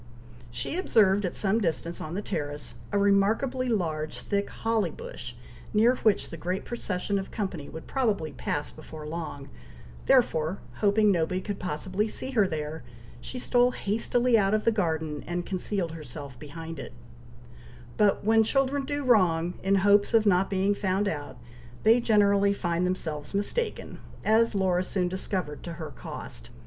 She observed at some distance on the terrace, a remarkably large thick holly bush, near which the great procession of company would probably pass before long, therefore, hoping nobody could possibly see her there, she stole hastily out of the garden, and concealed herself behind it; but when children do wrong, in hopes of not being found out, they generally find themselves mistaken, as Laura soon discovered to her cost.